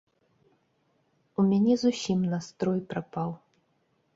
У мяне зусім настрой прапаў.